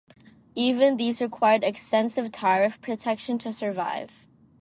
Even these required extensive tariff protection to survive.